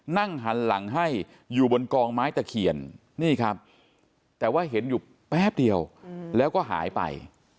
นั่งหันหลังให้อยู่บนกองไม้ตะเคียนนี่ครับแต่ว่าเห็นอยู่แป๊บเดียวแล้วก็หายไป